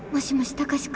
貴司君。